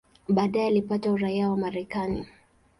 Baadaye alipata uraia wa Marekani.